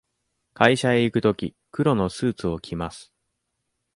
会社へ行くとき、黒のスーツを着ます。